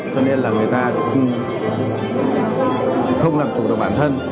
cho nên là người ta không làm chủ được bản thân